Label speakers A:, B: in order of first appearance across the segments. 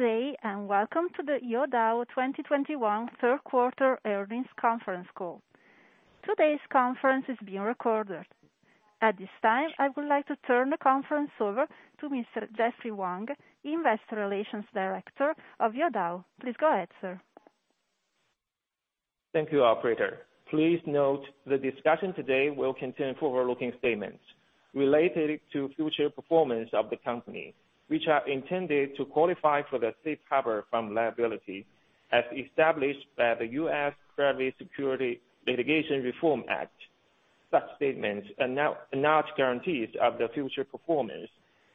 A: Good day and welcome to the Youdao 2021 Third Quarter Earnings Conference Call. Today's conference is being recorded. At this time, I would like to turn the conference over to Mr. Jeffrey Wang, Investor Relations Director of Youdao. Please go ahead, sir.
B: Thank you, operator. Please note the discussion today will contain forward-looking statements related to future performance of the company, which are intended to qualify for the Safe Harbor from liability as established by the U.S. Private Securities Litigation Reform Act. Such statements are not guarantees of the future performance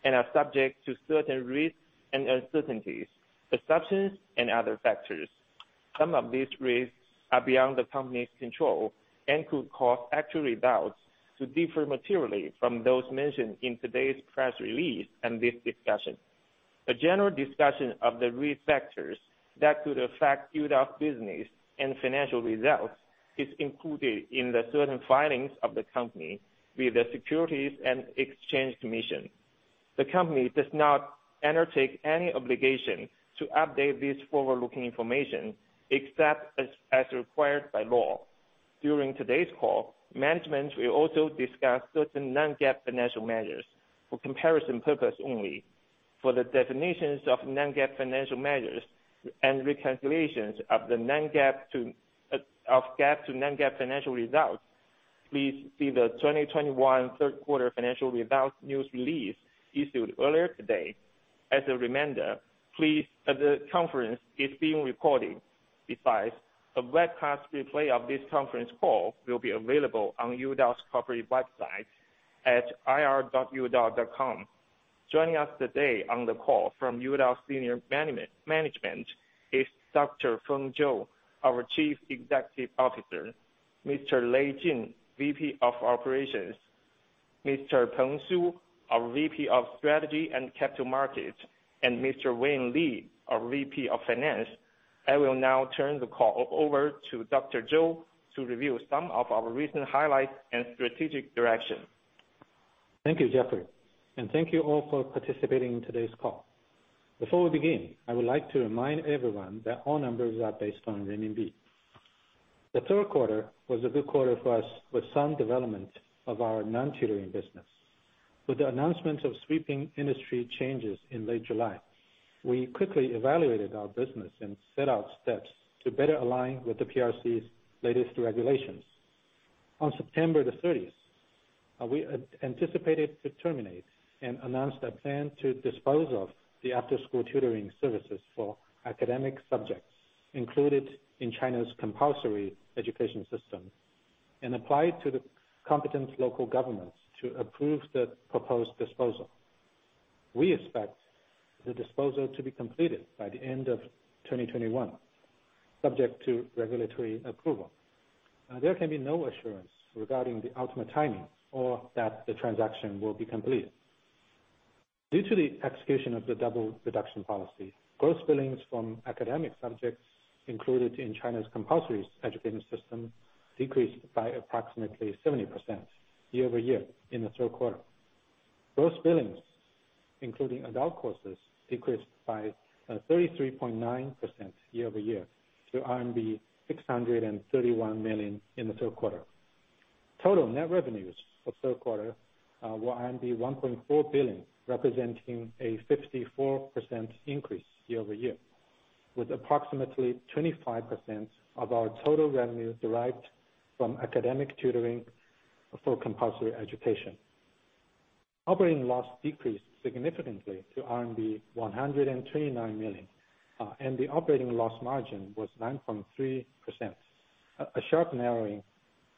B: and are subject to certain risks and uncertainties, assumptions and other factors. Some of these risks are beyond the company's control and could cause actual results to differ materially from those mentioned in today's press release and this discussion. A general discussion of the risk factors that could affect Youdao's business and financial results is included in certain filings of the company with the Securities and Exchange Commission. The company does not undertake any obligation to update this forward-looking information except as required by law. During today's call, management will also discuss certain non-GAAP financial measures for comparison purpose only. For the definitions of non-GAAP financial measures and reconciliations of GAAP to non-GAAP financial results, please see the 2021 third quarter financial results news release issued earlier today. As a reminder, the conference is being recorded. Besides, a webcast replay of this conference call will be available on Youdao's corporate website at ir.youdao.com. Joining us today on the call from Youdao senior management is Dr. Feng Zhou, our Chief Executive Officer, Mr. Lei Jin, VP of Operations, Mr. Peng Su, our VP of Strategy and Capital Markets, and Mr. Wayne Li, our VP of Finance. I will now turn the call over to Dr. Zhou to review some of our recent highlights and strategic direction.
C: Thank you, Jeffrey, and thank you all for participating in today's call. Before we begin, I would like to remind everyone that all numbers are based on renminbi. The third quarter was a good quarter for us with some development of our non-tutoring business. With the announcement of sweeping industry changes in late July, we quickly evaluated our business and set out steps to better align with the PRC's latest regulations. On September the 30th, we anticipated to terminate and announce a plan to dispose of the After-School Tutoring services for academic subjects included in China's compulsory education system and applied to the competent local governments to approve the proposed disposal. We expect the disposal to be completed by the end of 2021, subject to regulatory approval. There can be no assurance regarding the ultimate timing or that the transaction will be completed. Due to the execution of Double Reduction policy, gross billings from academic subjects included in China's compulsory education system decreased by approximately 70% year-over-year in the third quarter. Gross billings, including adult courses, decreased by 33.9% year-over-year to RMB 631 million in the third quarter. Total net revenues for third quarter were RMB 1.4 billion, representing a 54% increase year-over-year, with approximately 25% of our total revenue derived from academic tutoring for compulsory education. Operating loss decreased significantly to RMB 129 million, and the operating loss margin was 9.3%. A sharp narrowing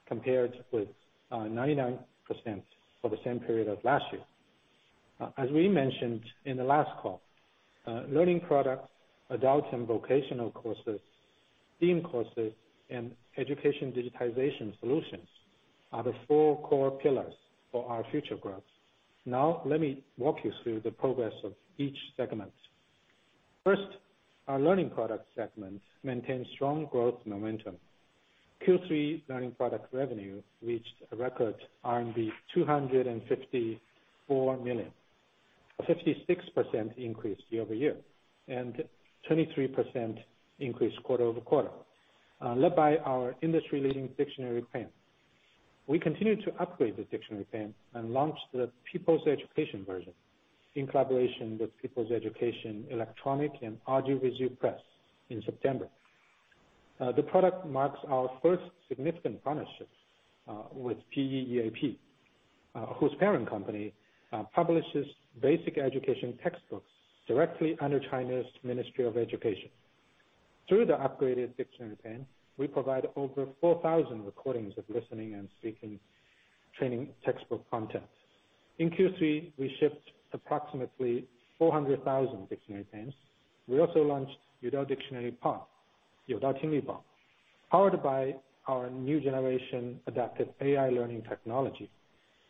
C: compared with 99% for the same period of last year. As we mentioned in the last call, Learning Product, Adult and Vocational Courses, Theme Courses, and Education Digitization Solutions are the four core pillars for our future growth. Now, let me walk you through the progress of each segment. First, our Learning Product segment maintained strong growth momentum. Q3 Learning Product revenue reached a record RMB 254 million, a 56% increase year-over-year and 23% increase quarter-over-quarter, led by our industry-leading Dictionary Pen. We continued to upgrade the Dictionary Pen and launched the People's Education version in collaboration with People's Education Electronic & Audiovisual Press in September. The product marks our first significant partnership with PEEAP, whose parent company publishes basic education textbooks directly under China's Ministry of Education. Through the upgraded Youdao Dictionary Pen, we provide over 4,000 recordings of listening and speaking training textbook content. In Q3, we shipped approximately 400,000 Dictionary Pens. We also launched Youdao Listening Pod, Youdao Tingli Bao, powered by our new generation adaptive AI learning technology.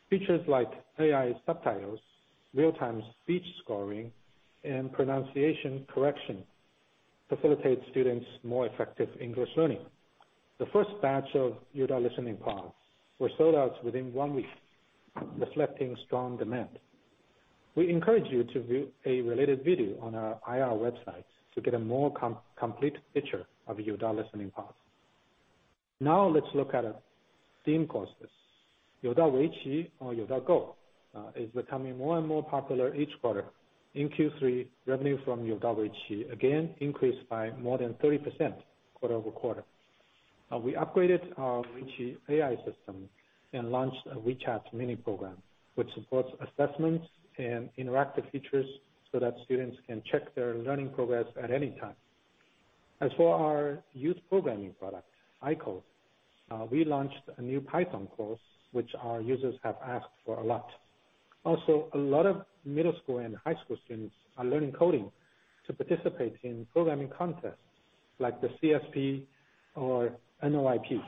C: Features like AI subtitles, real-time speech scoring, and pronunciation correction facilitate students more effective English learning. The first batch of Youdao Listening Pod were sold out within one week, reflecting strong demand. We encourage you to view a related video on our IR website to get a more complete picture of Youdao Listening Pod. Now let's look at our STEAM courses. Youdao Weiqi or Youdao Go is becoming more and more popular each quarter. In Q3, revenue from Youdao Weiqi again increased by more than 30% quarter-over-quarter. Now we upgraded our Weiqi AI system and launched a WeChat mini program, which supports assessments and interactive features so that students can check their learning progress at any time. As for our youth programming product, iCode, we launched a new Python course, which our users have asked for a lot. Also, a lot of middle school and high school students are learning coding to participate in programming contests like the CSP or NOIP,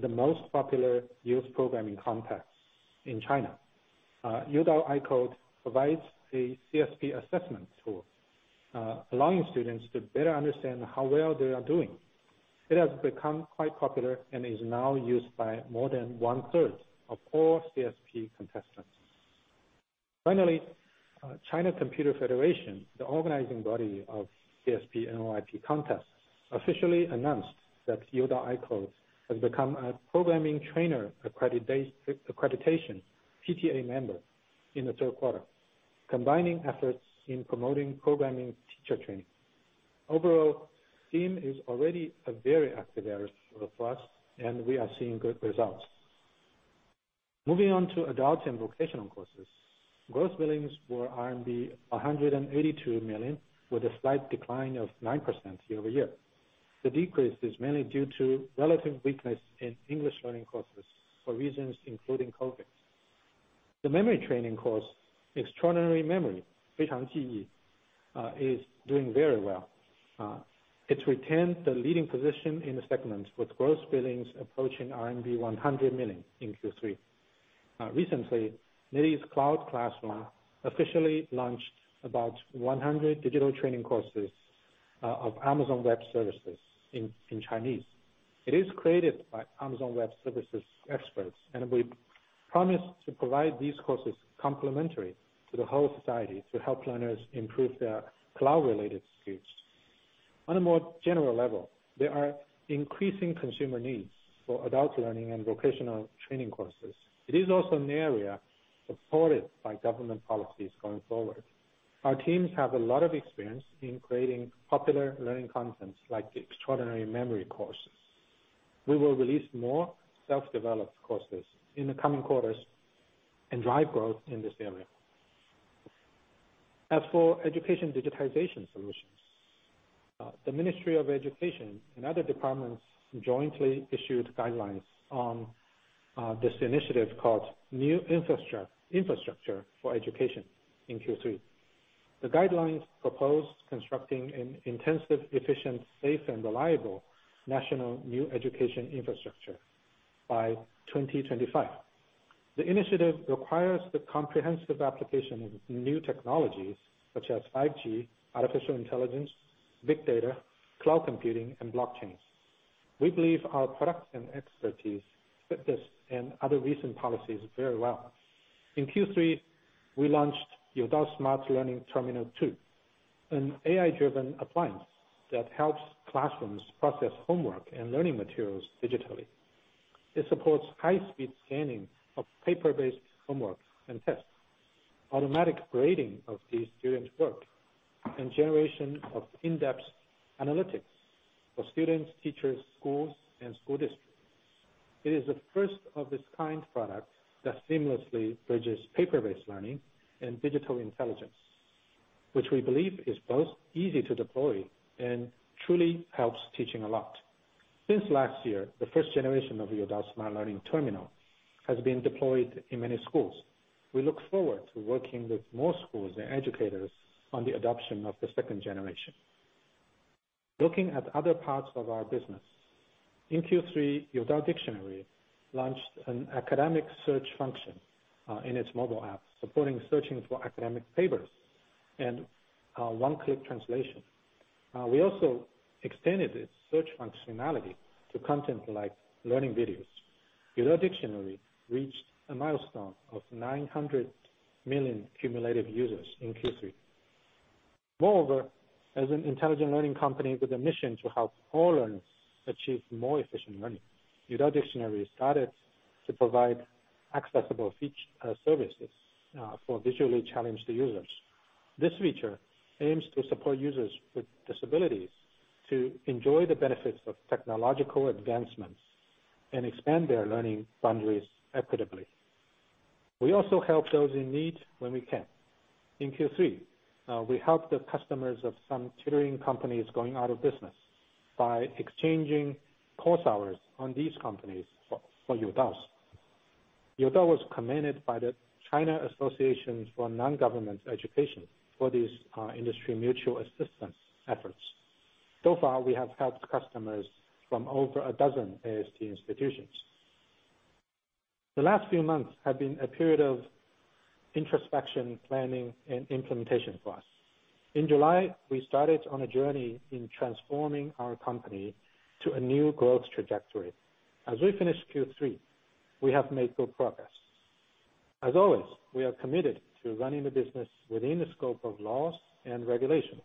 C: the most popular youth programming contests in China. Youdao iCode provides a CSP assessment tool, allowing students to better understand how well they are doing. It has become quite popular and is now used by more than 1/3 of all CSP contestants. Finally, China Computer Federation, the organizing body of CSP/NOIP contest, officially announced that Youdao iCode has become a Programming Trainer Accreditation PTA member in the third quarter, combining efforts in promoting programming teacher training. Overall, STEAM is already a very active area for us, and we are seeing good results. Moving on to Adult and Vocational Courses. Gross billings were RMB 182 million, with a slight decline of 9% year-over-year. The decrease is mainly due to relative weakness in English learning courses for reasons including COVID. The memory training course, Extraordinary Memory, Feichang JiYi, is doing very well. It retained the leading position in the segment, with gross billings approaching RMB 100 million in Q3. Recently, NetEase Cloud Classroom officially launched about 100 digital training courses of Amazon Web Services in Chinese. It is created by Amazon Web Services experts, and we promise to provide these courses complimentary to the whole society to help learners improve their cloud-related skills. On a more general level, there are increasing consumer needs for adult learning and vocational training courses. It is also an area supported by government policies going forward. Our teams have a lot of experience in creating popular learning content, like the Extraordinary Memory courses. We will release more self-developed courses in the coming quarters and drive growth in this area. As for Education Digitization Solutions, the Ministry of Education and other departments jointly issued guidelines on this initiative called New Infrastructure for Education in Q3. The guidelines proposed constructing an intensive, efficient, safe, and reliable national new education infrastructure by 2025. The initiative requires the comprehensive application of new technologies such as 5G, artificial intelligence, big data, cloud computing, and blockchains. We believe our products and expertise fit this and other recent policies very well. In Q3, we launched Youdao Smart Learning Terminal 2.0, an AI-driven appliance that helps classrooms process homework and learning materials digitally. It supports high-speed scanning of paper-based homework and tests, automatic grading of the students' work, and generation of in-depth analytics for students, teachers, schools, and school districts. It is a first of its kind product that seamlessly bridges paper-based learning and digital intelligence, which we believe is both easy to deploy and truly helps teaching a lot. Since last year, the first generation of Youdao Smart Learning Terminal 2.0 Has been deployed in many schools. We look forward to working with more schools and educators on the adoption of the second generation. Looking at other parts of our business. In Q3, Youdao Dictionary launched an academic search function in its mobile app, supporting searching for academic papers and one-click translation. We also extended its search functionality to content like learning videos. Youdao Dictionary reached a milestone of 900 million cumulative users in Q3. Moreover, as an intelligent learning company with a mission to help all learners achieve more efficient learning, Youdao Dictionary started to provide accessible features and services for visually challenged users. This feature aims to support users with disabilities to enjoy the benefits of technological advancements and expand their learning boundaries equitably. We also help those in need when we can. In Q3, we helped the customers of some tutoring companies going out of business by exchanging course hours on these companies for Youdao's. Youdao was commended by the China Association for NGO Cooperation for these industry mutual assistance efforts. So far, we have helped customers from over a dozen AST institutions. The last few months have been a period of introspection, planning, and implementation for us. In July, we started on a journey in transforming our company to a new growth trajectory. As we finish Q3, we have made good progress. As always, we are committed to running the business within the scope of laws and regulations,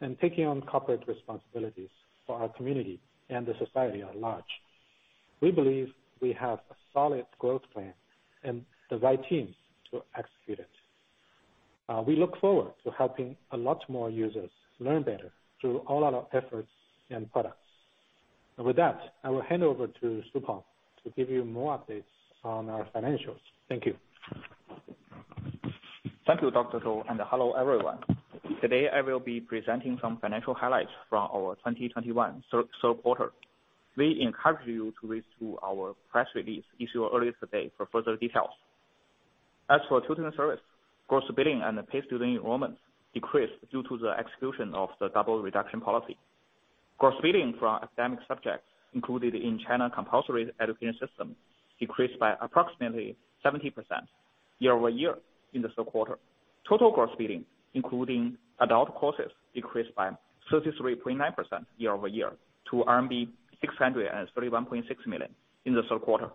C: and taking on corporate responsibilities for our community and the society at large. We believe we have a solid growth plan and the right teams to execute it. We look forward to helping a lot more users learn better through all of our efforts and products. With that, I will hand over to Su Peng to give you more updates on our financials. Thank you.
D: Thank you, Dr. Zhou, and hello, everyone. Today, I will be presenting some financial highlights from our 2021 third quarter. We encourage you to read through our press release issued earlier today for further details. As for tutoring service, gross billing and paid student enrollments decreased due to the execution of Double Reduction policy. gross billing from academic subjects included in China's compulsory education system decreased by approximately 70% year-over-year in the third quarter. Total gross billing, including adult courses, decreased by 33.9% year-over-year to RMB 631.6 million in the third quarter.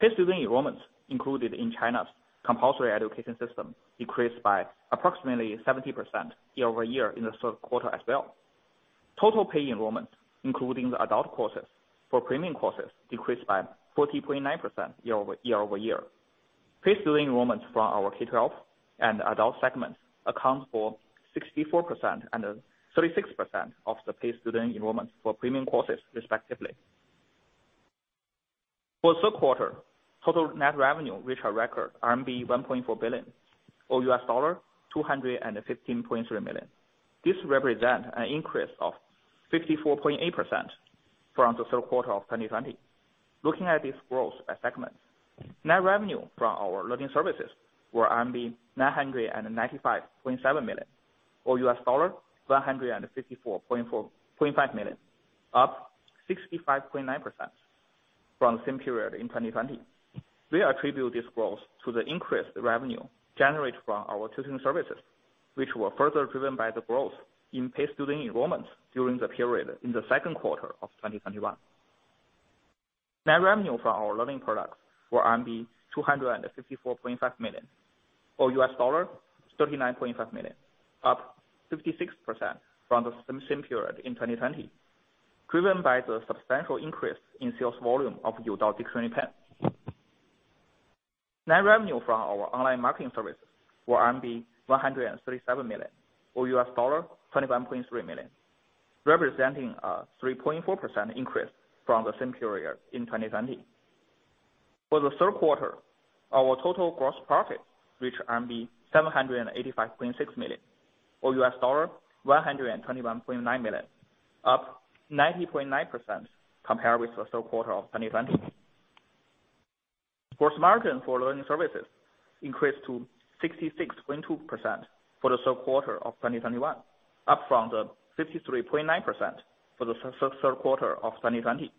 D: Paid student enrollments included in China's compulsory education system decreased by approximately 70% year-over-year in the third quarter as well. Total paid enrollments, including adult and premium courses, decreased by 40.9% year-over-year. Paid student enrollments from our K-12 and adult segments account for 64% and 36% of the paid student enrollments for premium courses respectively. For third quarter, total net revenue reached a record RMB 1.4 billion or $215.3 million. This represent an increase of 64.8% from the third quarter of 2020. Looking at this growth by segment, net revenue from our learning services were RMB 995.7 million or $154.45 million, up 65.9% from the same period in 2020. We attribute this growth to the increased revenue generated from our tutoring services, which were further driven by the growth in paid student enrollments during the period in the second quarter of 2021. Net revenue for our Learning Products were RMB 254.5 million or $39.5 million, up 56% from the same period in 2020, driven by the substantial increase in sales volume of Youdao Dictionary Pen. Net revenue from our online marketing services were RMB 137 million or $21.3 million, representing a 3.4% increase from the same period in 2020. For the third quarter, our total gross profit reached RMB 785.6 million or $121.9 million, up 90.9% compared with the third quarter of 2020. Gross margin for learning services increased to 66.2% for the third quarter of 2021, up from the 53.9% for the third quarter of 2020.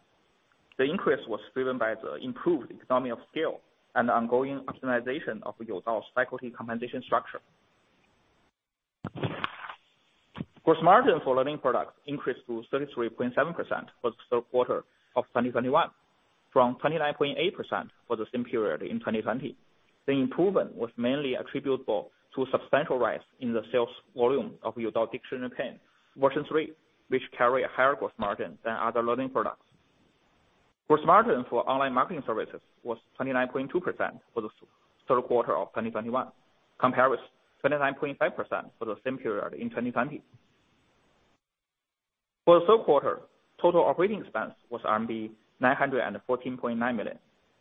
D: The increase was driven by the improved economy of scale and the ongoing optimization of Youdao's faculty compensation structure. Gross margin for Learning Products increased to 33.7% for the third quarter of 2021, from 29.8% for the same period in 2020. The improvement was mainly attributable to a substantial rise in the sales volume of Youdao Dictionary Pen version 3, which carry a higher gross margin than other Learning Products. Gross margin for online marketing services was 29.2% for the third quarter of 2021, compared with 29.5% for the same period in 2020. For the third quarter, total operating expense was RMB 914.9 million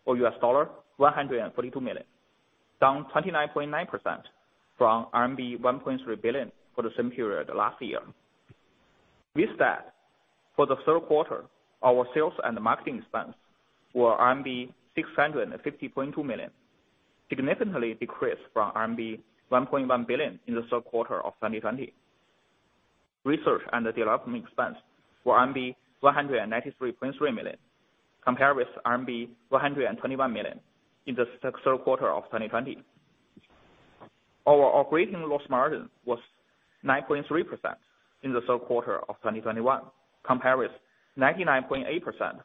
D: or $142 million, down 29.9% from RMB 1.3 billion for the same period last year. With that, for the third quarter, our sales and marketing expense were RMB 650.2 million, significantly decreased from RMB 1.1 billion in the third quarter of 2020. Research and development expense were RMB 193.3 million, compared with RMB 121 million in the third quarter of 2020. Our operating loss margin was 9.3% in the third quarter of 2021 compared with 99.8%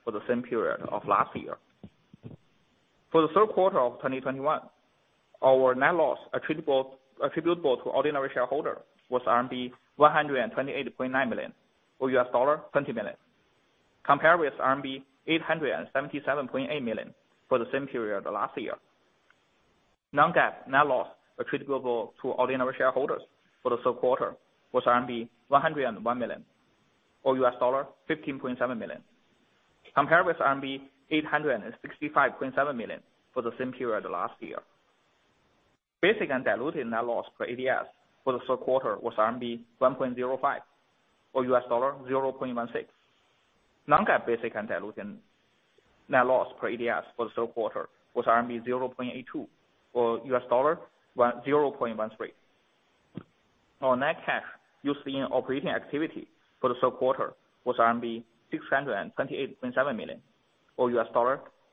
D: for the same period of last year. For the third quarter of 2021, our net loss attributable to ordinary shareholder was RMB 128.9 million or $20 million, compared with RMB 877.8 million for the same period last year. Non-GAAP net loss attributable to ordinary shareholders for the third quarter was RMB 101 million or $15.7 million, compared with RMB 865.7 million for the same period last year. Basic and diluted net loss per ADS for the third quarter was RMB 1.05 or $0.16. Non-GAAP basic and diluted net loss per ADS for the third quarter was RMB 0.82 or $0.13. Our net cash used in operating activity for the third quarter was RMB 628.7 million, or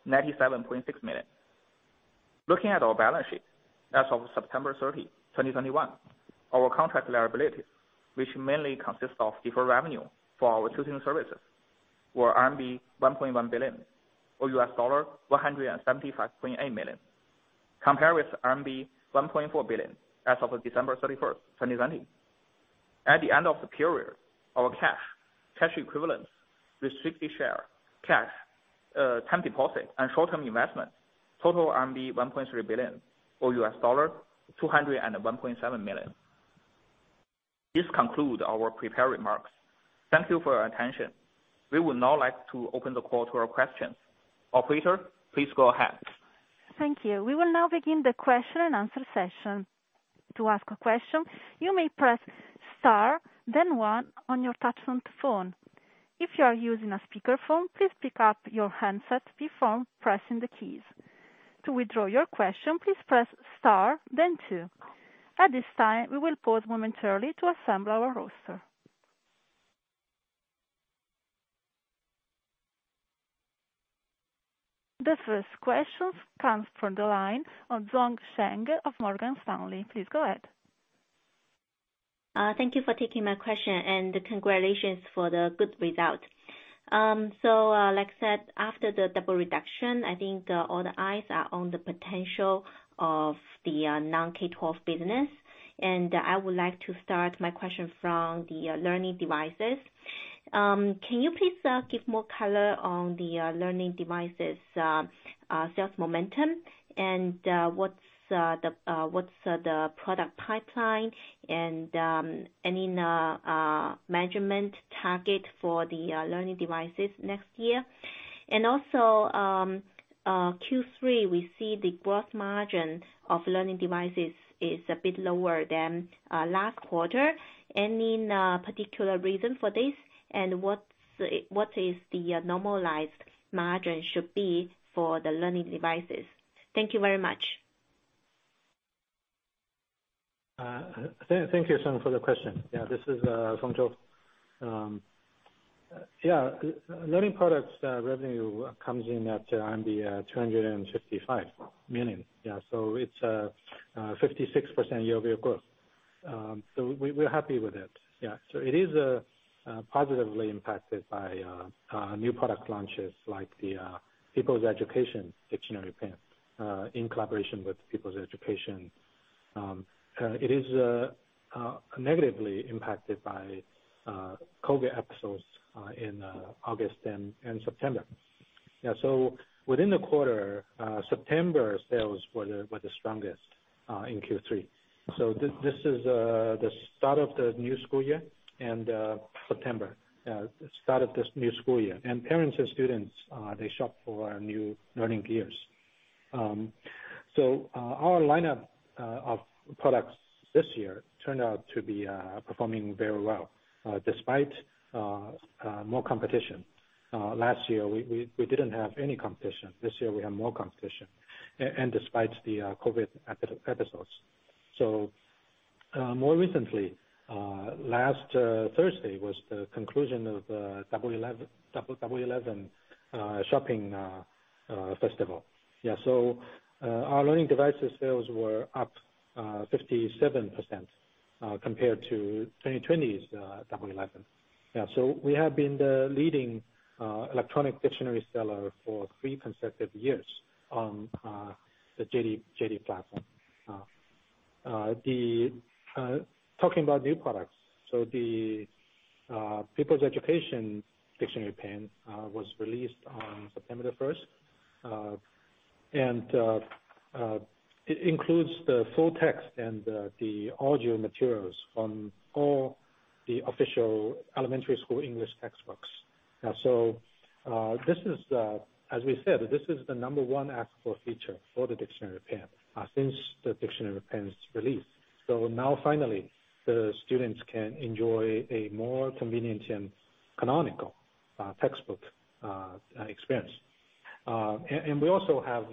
D: $97.6 million. Looking at our balance sheet, as of September 30, 2021, our contract liabilities, which mainly consists of deferred revenue for our tutoring services, were RMB 1.1 billion, or $175.8 million, compared with RMB 1.4 billion as of December 31, 2020. At the end of the period, our cash equivalents, restricted share, cash, time deposit and short-term investment, total RMB 1.3 billion or $201.7 million. This conclude our prepared remarks. Thank you for your attention. We would now like to open the call to our questions. Operator, please go ahead.
A: Thank you. We will now begin the question-and-answer session. To ask a question, you may press star then one on your touchtone phone. If you are using a speaker phone, please pick up your handset before pressing the keys. To withdraw your question, please press star then two. At this time, we will pause momentarily to assemble our roster. The first question comes from the line of Sheng Zhong of Morgan Stanley. Please go ahead.
E: Thank you for taking my question, and congratulations for the good result. Like I said, after the Double Reduction, I think all the eyes are on the potential of the non-K-12 business. I would like to start my question from the learning devices. Can you please give more color on the learning devices sales momentum and what's the product pipeline and any management target for the learning devices next year? Also, Q3, we see the gross margin of learning devices is a bit lower than last quarter. Any particular reason for this, and what is the normalized margin should be for the learning devices? Thank you very much.
C: Thank you, Zhong, for the question. This is Feng Zhou. Learning Products revenue comes in at 255 million. It is 56% year-over-year growth. We're happy with it. It is positively impacted by new product launches like the People's Education Dictionary Pen in collaboration with People's Education. It is negatively impacted by COVID episodes in August and September. Within the quarter, September sales were the strongest in Q3. This is the start of the new school year and September, the start of this new school year. Parents and students shop for new learning gears. Our lineup of products this year turned out to be performing very well despite more competition. Last year, we didn't have any competition. This year, we have more competition, and despite the COVID episodes. More recently, last Thursday was the conclusion of Double Eleven shopping festival. Our learning devices sales were up 57% compared to 2020's Double Eleven. We have been the leading electronic dictionary seller for three consecutive years on the JD platform. Talking about new products, the People's Education Dictionary Pen was released on September 1, and it includes the full text and the audio materials from all the official elementary school English textbooks. As we said, this is the number one asked for feature for the Dictionary Pen since the Dictionary Pen's release. Now finally, the students can enjoy a more convenient and canonical textbook experience. We also have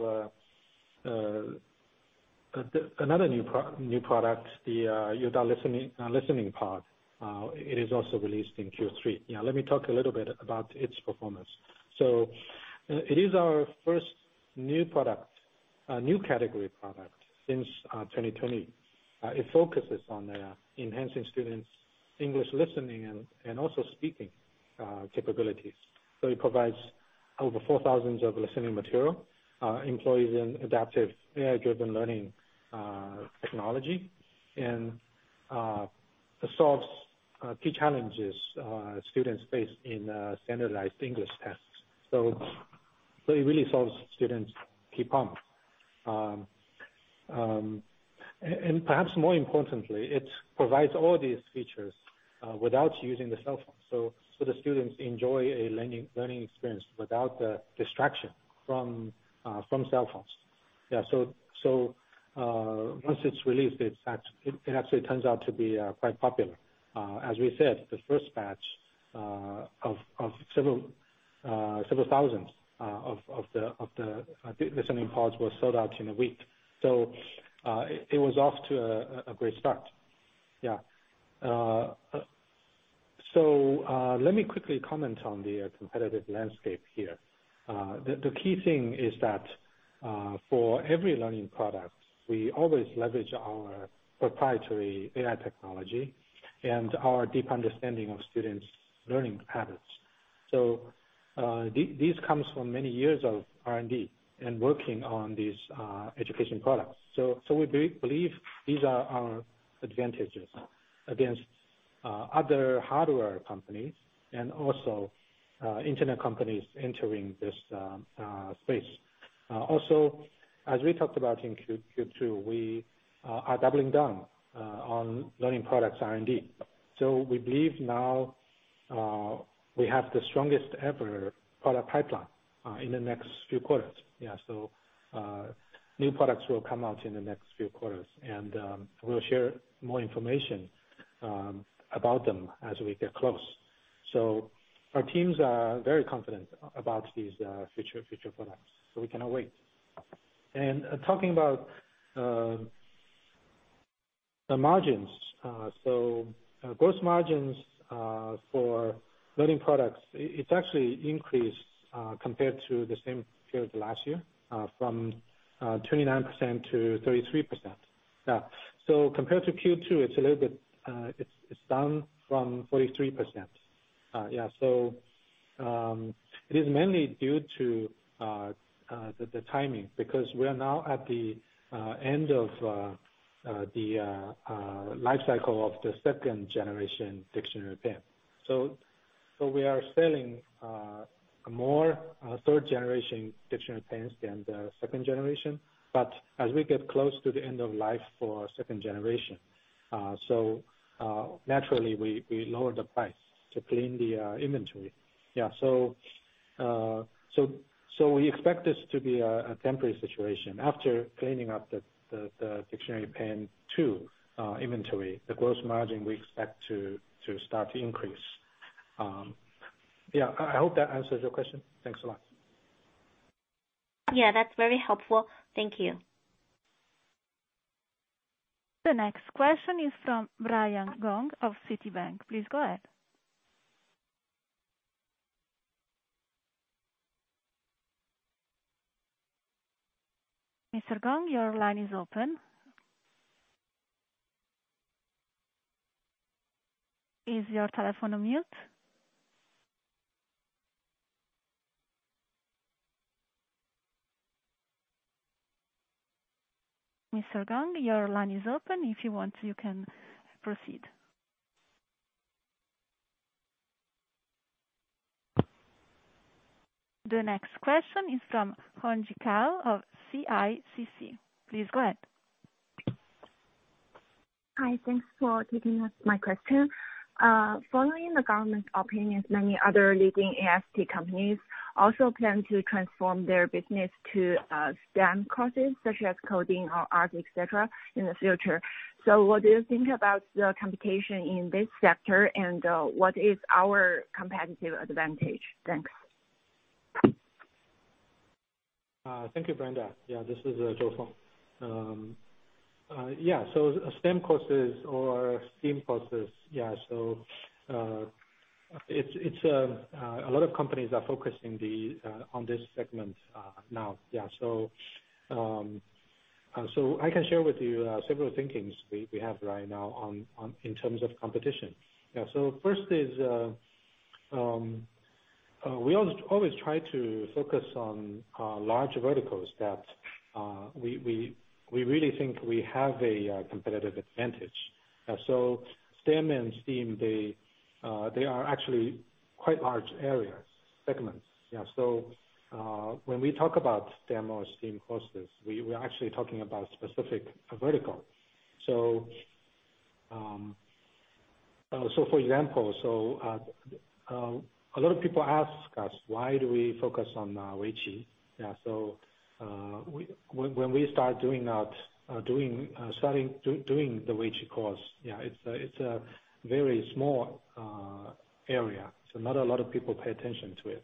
C: another new product, the Youdao Listening Pod. It is also released in Q3. Let me talk a little bit about its performance. It is our first new category product since 2020. It focuses on enhancing students' English listening and also speaking capabilities. It provides over 4,000 listening material, employs an adaptive AI-driven learning technology and solves key challenges students face in standardized English tests. It really solves students' key problem. Perhaps more importantly, it provides all these features without using the cell phone. The students enjoy a learning experience without the distraction from cell phones. Once it's released, it actually turns out to be quite popular. As we said, the first batch of several thousand was sold out in a week. It was off to a great start. Let me quickly comment on the competitive landscape here. The key thing is that for every Learning Product, we always leverage our proprietary AI technology and our deep understanding of students' learning habits. This comes from many years of R&D and working on these education products. We believe these are our advantages against other hardware companies and also internet companies entering this space. Also, as we talked about in Q2, we are doubling down on Learning Products R&D. We believe now we have the strongest ever product pipeline in the next few quarters. Yeah. New products will come out in the next few quarters, and we'll share more information about them as we get close. Our teams are very confident about these future products, so we cannot wait. Talking about the margins, gross margins for Learning Products, it's actually increased compared to the same period last year, from 29% to 33%. Compared to Q2, it's a little bit down from 43%. It is mainly due to the timing because we are now at the end of the life cycle of the Dictionary Pen 2. We are selling more Dictionary Pens 3 than the Dictionary Pen 2. As we get close to the end of life for Dictionary Pen 2, naturally we lower the price to clean the inventory. We expect this to be a temporary situation. After cleaning up the Dictionary Pen 2 inventory, the gross margin we expect to start to increase. Yeah. I hope that answers your question. Thanks a lot.
E: Yeah, that's very helpful. Thank you.
A: The next question is from Brian Gong of Citi. Please go ahead. Mr. Gong, your line is open. Is your telephone on mute? Mr. Gong, your line is open. If you want you can proceed. The next question is from Brenda Zhao of CICC. Please go ahead.
F: Hi. Thanks for taking my question. Following the government's opinion, many other leading AST companies also plan to transform their business to STEM courses such as coding or art, et cetera, in the future. What do you think about the competition in this sector and what is our competitive advantage? Thanks.
C: Thank you, Brenda. This is Feng Zhou. STEM courses or STEAM courses. It's a lot of companies are focusing on this segment now. I can share with you several thoughts we have right now on competition. First, we always try to focus on large verticals that we really think we have a competitive advantage. STEM and STEAM they are actually quite large areas, segments. When we talk about STEM or STEAM courses, we're actually talking about specific vertical. For example, a lot of people ask us why do we focus on Weiqi? When we start doing the Weiqi course, yeah, it's a very small area, so not a lot of people pay attention to it.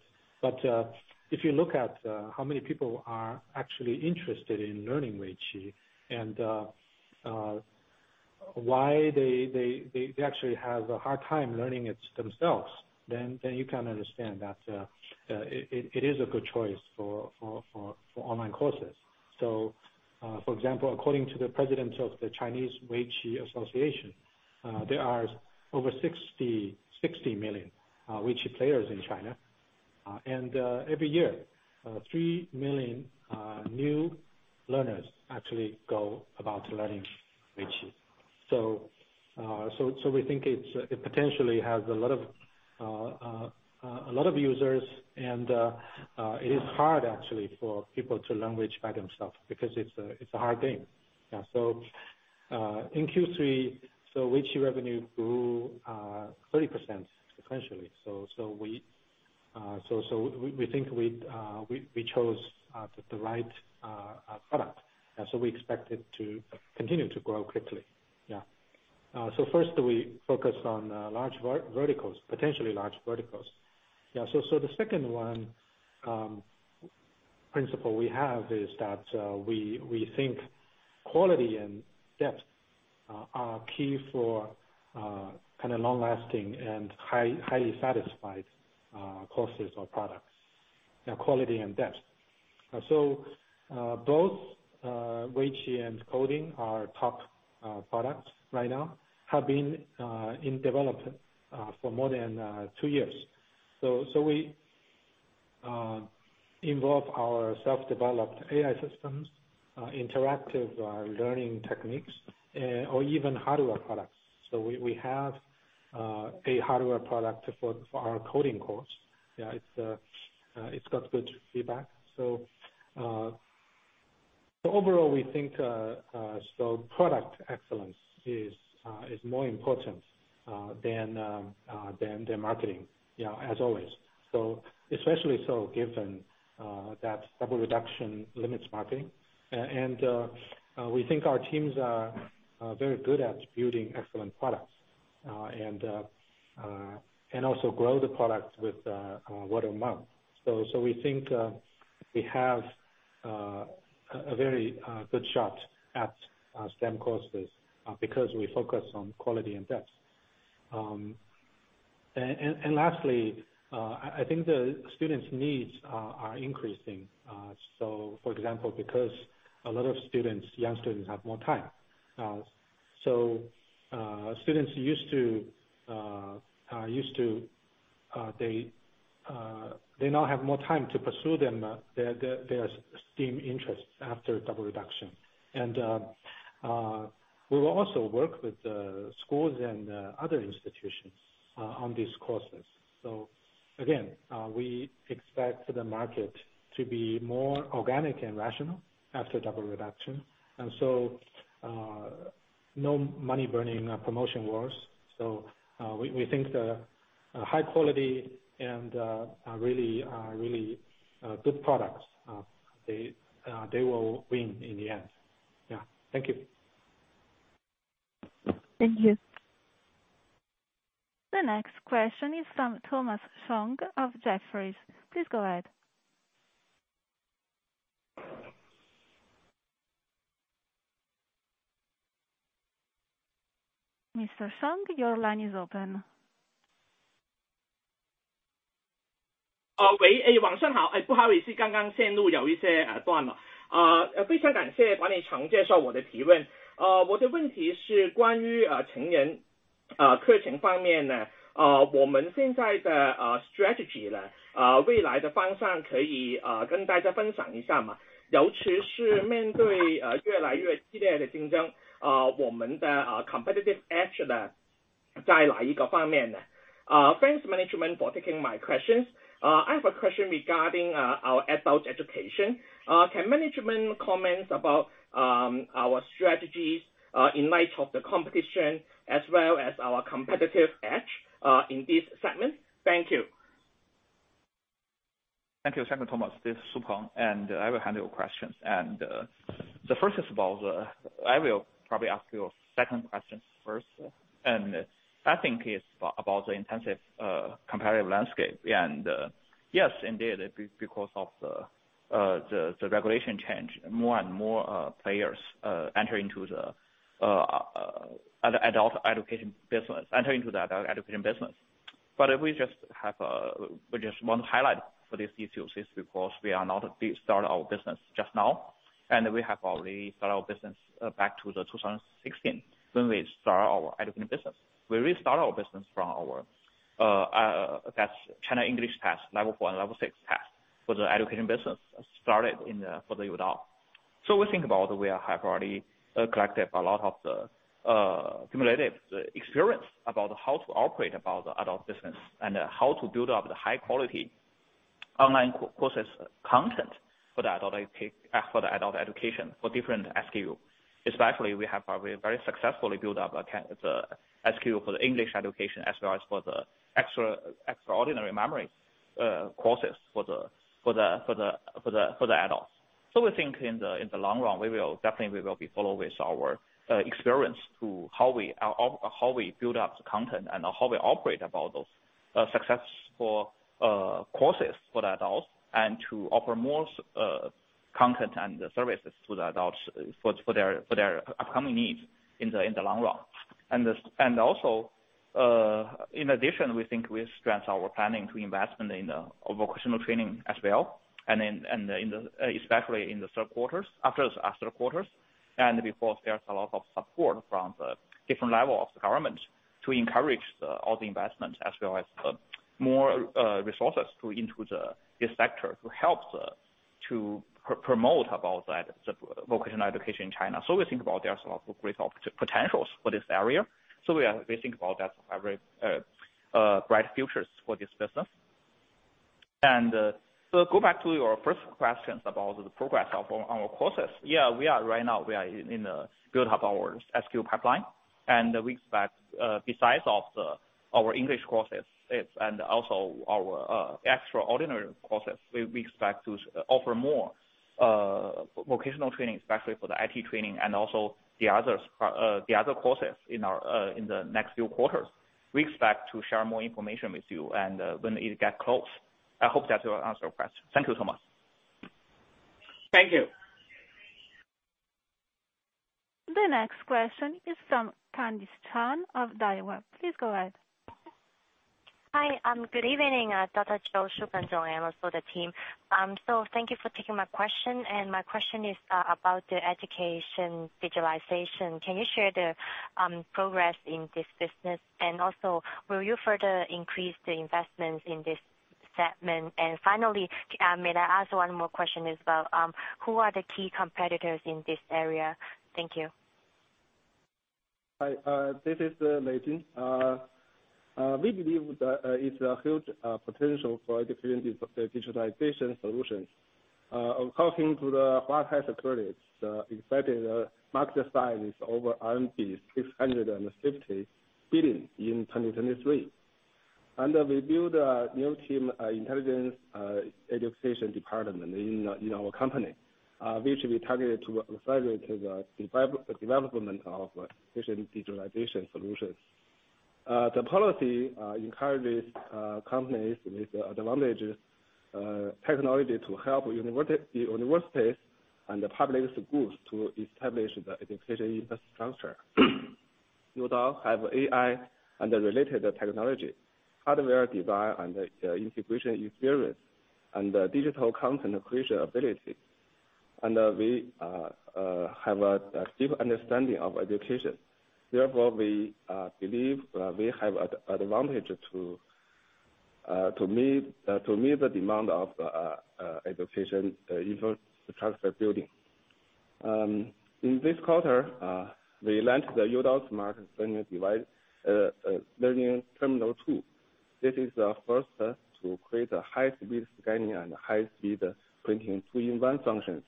C: If you look at how many people are actually interested in learning Weiqi and why they actually have a hard time learning it themselves, then you can understand that it is a good choice for online courses. For example, according to the president of the Chinese Weiqi Association, there are over 60 million Weiqi players in China. Every year, 3 million new learners actually go about learning Weiqi. We think it potentially has a lot of users and it is hard actually for people to learn Weiqi by themselves because it's a hard game. In Q3, Weiqi revenue grew 30% sequentially. We think we chose the right product. We expect it to continue to grow quickly. First we focus on large verticals, potentially large verticals. The second one, principle we have is that we think quality and depth are key for kind of long-lasting and highly satisfied courses or products. Quality and depth. Both Weiqi and coding, our top products right now, have been in development for more than two years. We involve our self-developed AI systems, interactive learning techniques, or even hardware products. We have a hardware product for our coding course. Yeah, it's got good feedback. Overall we think product excellence is more important than the marketing, yeah, as always. Especially so given that Double Reduction limits marketing. We think our teams are very good at building excellent products and also grow the products with word of mouth. We think we have a very good shot at STEM courses because we focus on quality and depth. Lastly, I think the students' needs are increasing. For example, a lot of young students have more time. They now have more time to pursue their STEAM interests after Double Reduction. We will also work with the schools and other institutions on these courses. Again, we expect the market to be more organic and rational after Double Reduction. No money burning or promotion wars. We think the high quality and really good products they will win in the end. Yeah. Thank you.
A: Thank you. The next question is from Thomas Chong of Jefferies. Please go ahead. Mr. Chong, your line is open.
G: Thanks, management, for taking my questions. I have a question regarding our adult education. Can management comment about our strategies in light of the competition as well as our competitive edge in this segment? Thank you.
D: Thank you, Thomas. This is Peng Su, and I will handle your questions. The first is about. I will probably ask your second question first. I think it's about the intensive competitive landscape. Yes, indeed, it's because of the regulation change, more and more players enter into the adult education business. We just want to highlight for this issue is because we are not start our business just now, and we have already start our business back to 2016 when we start our education business. We restart our business from our, that's College English Test, level 1, level 6 test for the education business started in the, for the adult. We think about we have already collected a lot of the cumulative experience about how to operate about the adult business and how to build up the high quality online courses content for the adult education for different SKU. Especially we have very successfully built up the SKU for the English education as well as for the Extraordinary Memory courses for the adults. We think in the long run, we will definitely follow with our experience to how we are, how we build up the content and how we operate about those successful courses for the adults and to offer more content and services to the adults for their upcoming needs in the long run. In addition, we think we strengthen our planning to invest in the vocational training as well, and especially in the third quarter, after the quarter. Because there's a lot of support from the different level of the government to encourage all the investments as well as more resources into this sector to help to promote the vocational education in China. We think there's a lot of great potential for this area. We think about that ever brighter futures for this business. Go back to your first questions about the progress of our courses. Yeah, we are right now in the build up our SKU pipeline and we expect, besides our English courses and also our extraordinary courses, we expect to offer more vocational training, especially for the IT training and also the other courses in the next few quarters. We expect to share more information with you and when it get close. I hope that will answer your question. Thank you so much.
G: Thank you.
A: The next question is from Candis Chan of Daiwa. Please go ahead.
H: Hi. Good evening, Dr. Feng Zhou, Peng Su, and also the team. Thank you for taking my question. My question is about the education digitalization. Can you share the progress in this business? Will you further increase the investments in this segment? Finally, may I ask one more question as well? Who are the key competitors in this area? Thank you.
I: Hi. This is Lei Jin. We believe that it's a huge potential for different digitalization solutions. According to the high authorities, expected market size is over RMB 650 billion in 2023. We build a new team, intelligent education department in our company, which we targeted to further the development of Education Digitalization Solutions. The policy encourages companies with advantages technology to help the universities and the public schools to establish the education infrastructure. Youdao have AI and the related technology, hardware design, and integration experience and digital content creation ability. We have a deep understanding of education. Therefore, we believe we have advantage to meet the demand of education infrastructure building. In this quarter, we launched the Youdao Smart Learning Terminal 2.0. This is the first to create a high-speed scanning and high-speed printing two-in-one functions.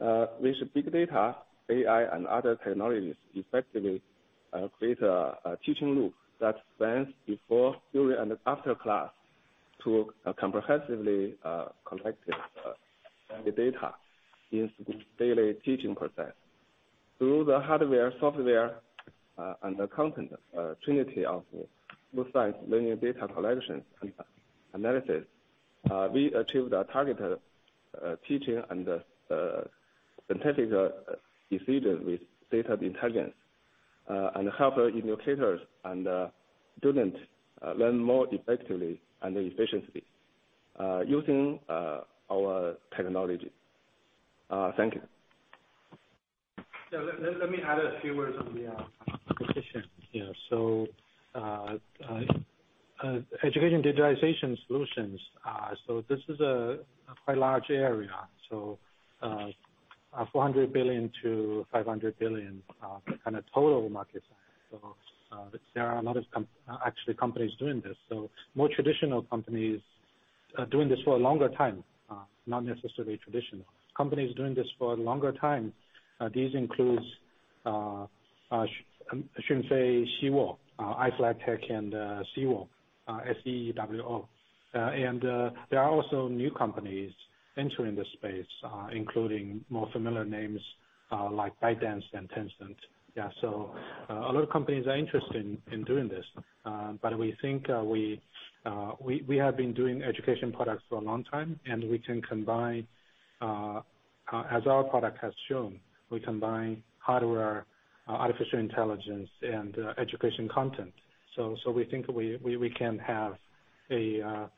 I: With big data, AI, and other technologies effectively create a teaching loop that spans before, during, and after class to comprehensively collect the data in school's daily teaching process. Through the hardware, software, and the content trinity of both sides learning data collection and analysis, we achieved a targeted teaching and scientific decision with data intelligence and help educators and students learn more effectively and efficiently using our technology. Thank you.
C: Let me add a few words on the competition. Yeah. Education Digitalization Solutions, so this is a quite large area, 400 billion-500 billion kind of total market. There are a lot of actually companies doing this. More traditional companies doing this for a longer time, not necessarily traditional. Companies doing this for a longer time, these include iFLYTEK and Seewo. There are also new companies entering this space, including more familiar names like ByteDance and Tencent. Yeah. A lot of companies are interested in doing this. We think we have been doing education products for a long time, and we can combine, as our product has shown, we combine hardware, artificial intelligence and education content. We think we can have a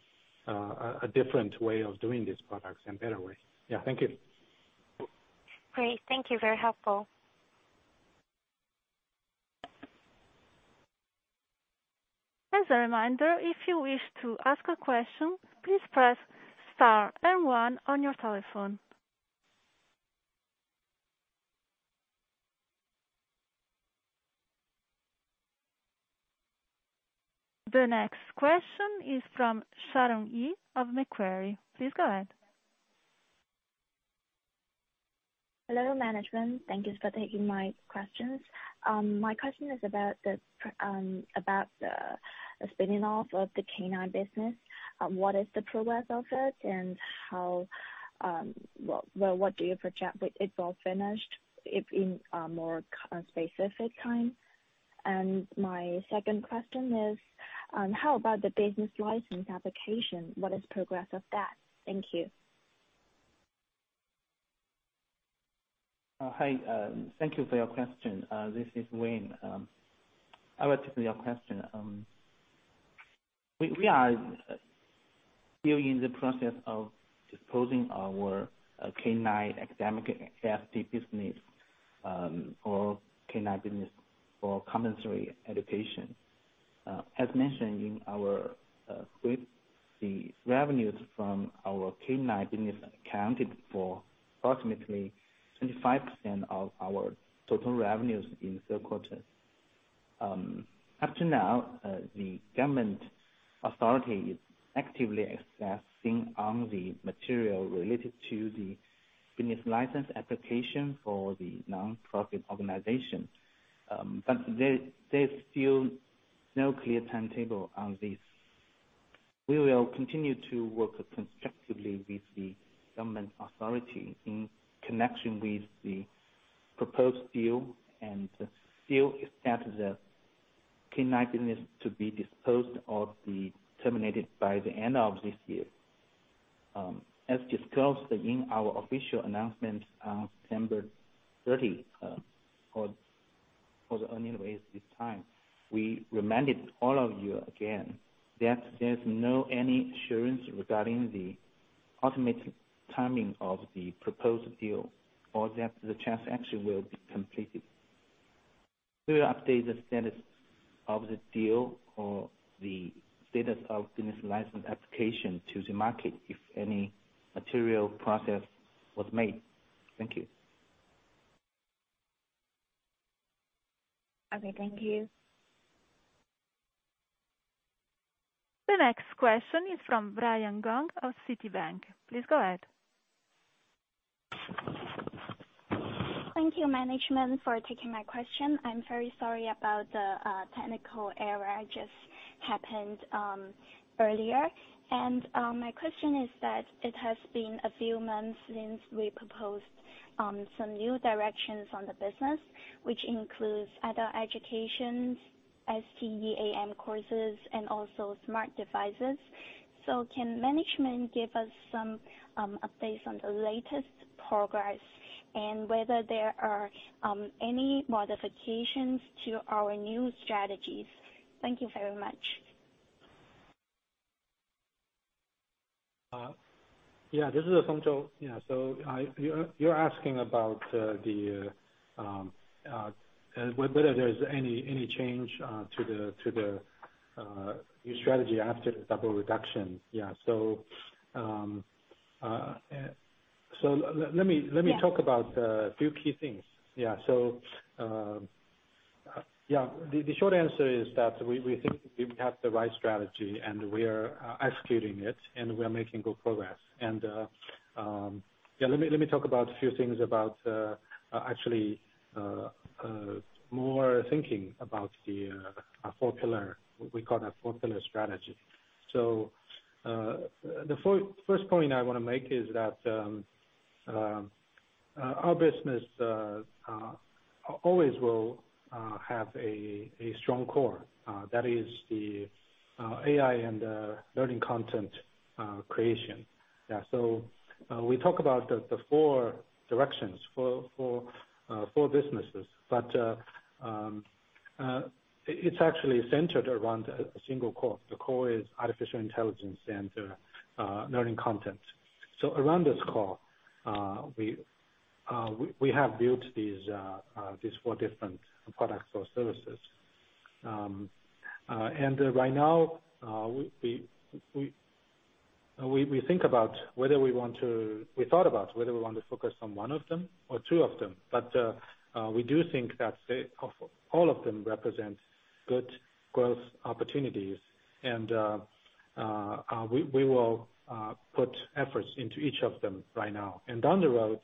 C: different way of doing these products in better way. Yeah. Thank you.
H: Great. Thank you. Very helpful.
A: As a reminder, if you wish to ask a question, please press star and one on your telephone. The next question is from Linda Huang of Macquarie. Please go ahead.
J: Hello, management. Thank you for taking my questions. My question is about the spinning off of the K-9 business. What is the progress of it and what do you project it’s all finished in a more specific time? My second question is, how about the business license application? What is the progress of that? Thank you.
K: Hi. Thank you for your question. This is Wayne. I will take your question. We are still in the process of disposing of our K-9 academic AST business, or K-9 business for compulsory education. As mentioned, with the revenues from our K-9 business accounted for approximately 25% of our total revenues in third quarter. Up to now, the government authority is actively assessing the material related to the business license application for the non-profit organization. There's still no clear timetable on this. We will continue to work constructively with the government authority in connection with the proposed deal and still expect the K-9 business to be disposed or be terminated by the end of this year. As disclosed in our official announcement on September 30, for Youdao this time, we reminded all of you again that there's no any assurance regarding the ultimate timing of the proposed deal or that the transaction will be completed. We will update the status of the deal or the status of business license application to the market if any material progress was made. Thank you.
J: Okay, thank you.
A: The next question is from Brian Gong of Citi. Please go ahead.
L: Thank you, management, for taking my question. I'm very sorry about the technical error just happened earlier. My question is that it has been a few months since we proposed some new directions on the business, which includes adult educations, STEAM courses and also smart devices. Can management give us some updates on the latest progress and whether there are any modifications to our new strategies? Thank you very much.
C: This is Feng Zhou. You're asking about whether there's any change to the new strategy after the Double Reduction. Let me-
L: Yeah.
C: Let me talk about a few key things. Yeah. The short answer is that we think we have the right strategy, and we are executing it, and we are making good progress. Let me talk about a few things about actually more thinking about our four pillar. We call it Four Pillar Strategy. The first point I wanna make is that our business always will have a strong core that is the AI and learning content creation. Yeah. We talk about the four directions for businesses. It's actually centered around a single core. The core is artificial intelligence and learning content. Around this core, we have built these four different products or services. Right now, we thought about whether we want to focus on one of them or two of them, but we do think that they all represent good growth opportunities. We will put efforts into each of them right now. Down the road,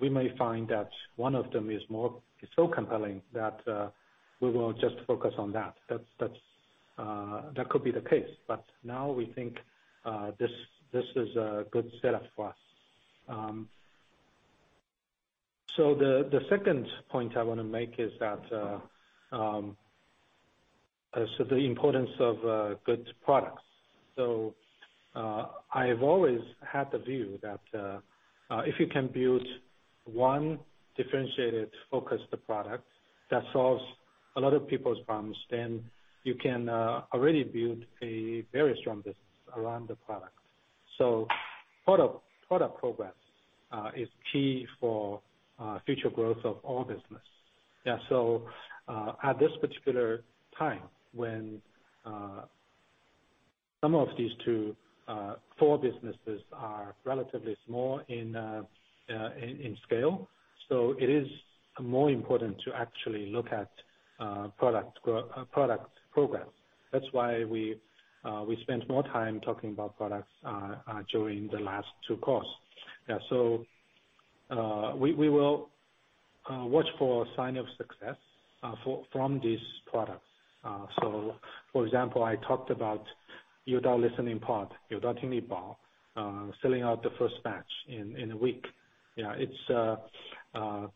C: we may find that one of them is more so compelling that we will just focus on that. That could be the case. Now we think this is a good setup for us. The second point I wanna make is that the importance of good products. I've always had the view that if you can build one differentiated focused product that solves a lot of people's problems, then you can already build a very strong business around the product. Product progress is key for future growth of all business. Yeah. At this particular time, when some of these two or four businesses are relatively small in scale, it is more important to actually look at product progress. That's why we spent more time talking about products during the last two calls. Yeah. We will watch for sign of success from these products. For example, I talked about Youdao Listening Pod, Youdao Tingli Bao, selling out the first batch in a week. It's an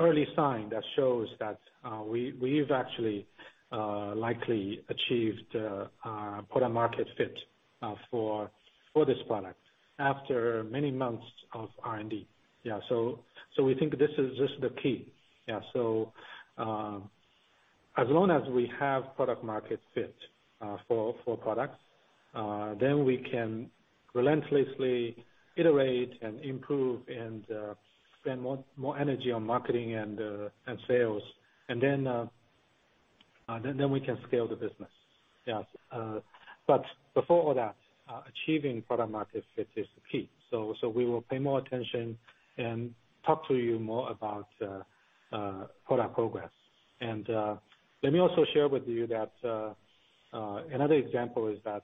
C: early sign that shows that we've actually likely achieved product market fit for this product after many months of R&D. We think this is the key. As long as we have product market fit for products, then we can relentlessly iterate and improve and spend more energy on marketing and sales. Then we can scale the business. But before all that, achieving product market fit is the key. We will pay more attention and talk to you more about product progress. Let me also share with you that another example is that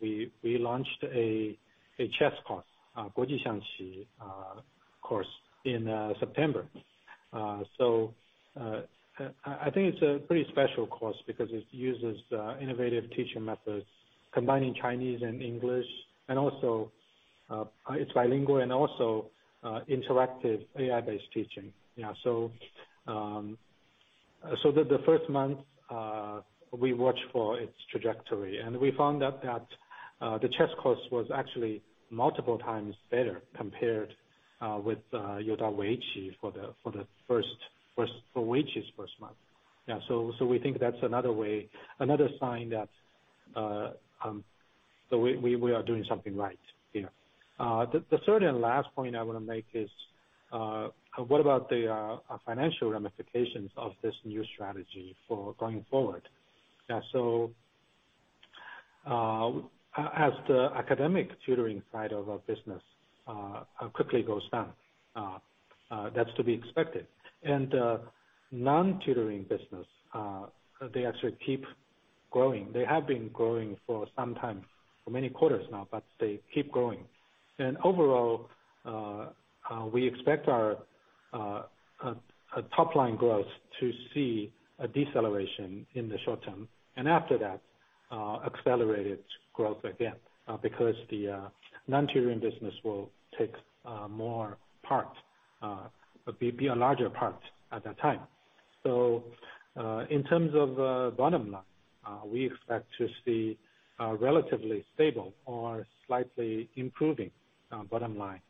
C: we launched a Weiqi course in September. I think it's a pretty special course because it uses innovative teaching methods combining Chinese and English and also it's bilingual and also interactive AI-based teaching. So, the first month we watched for its trajectory, and we found out that the Weiqi course was actually multiple times better compared with for the first month. So, we think that's another way, another sign that we are doing something right. The third and last point I wanna make is what about the financial ramifications of this new strategy for going forward. Yeah, as the academic tutoring side of our business quickly goes down, that's to be expected. Non-tutoring business, they actually keep growing. They have been growing for some time, for many quarters now, but they keep growing. Overall, we expect our top line growth to see a deceleration in the short term, and after that, accelerated growth again, because the non-tutoring business will take more part, be a larger part at that time. In terms of bottom line, we expect to see a relatively stable or slightly improving bottom line,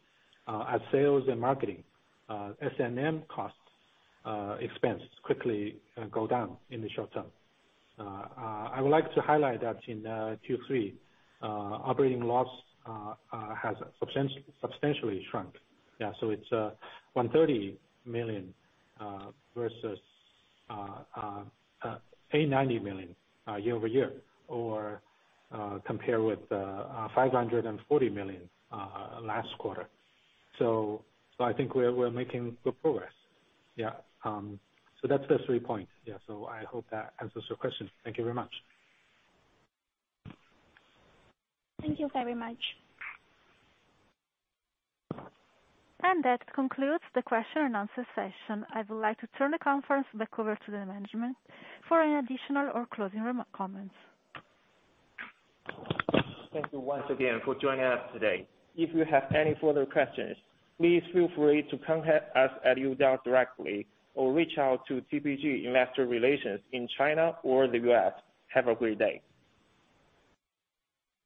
C: as sales and marketing S&M costs expense quickly go down in the short term. I would like to highlight that in Q3, operating loss has substantially shrunk. It's 130 million versus 890 million year-over-year or compared with 540 million last quarter. I think we're making good progress. That's the three points. I hope that answers your question. Thank you very much.
L: Thank you very much.
A: That concludes the question-and-answer session. I would like to turn the conference back over to the management for any additional or closing comments.
B: Thank you once again for joining us today. If you have any further questions, please feel free to contact us at Youdao directly or reach out to TPG Investor Relations in China or the U.S. Have a great day.